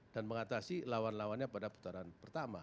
dan mengatasi lawan lawannya pada putaran pertama